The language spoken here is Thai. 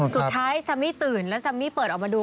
สุดท้ายซัมมี่ตื่นแล้วซัมมี่เปิดออกมาดู